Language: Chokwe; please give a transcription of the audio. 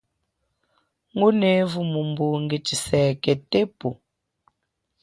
Ngunevu mumbunge chiseke tepu.